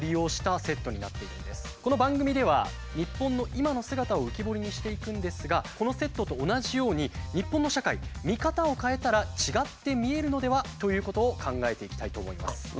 この番組では日本の今の姿を浮き彫りにしていくんですがこのセットと同じように日本の社会見方を変えたら違って見えるのでは？ということを考えていきたいと思います。